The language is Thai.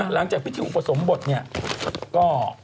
หรังจากพธิหนูเกียงประสงค์บท